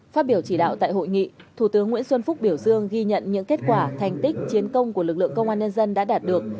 phát biểu chỉ đạo tại hội nghị thủ tướng nguyễn xuân phúc biểu dương ghi nhận những kết quả thành tích chiến công của lực lượng công an nhân dân đã đạt được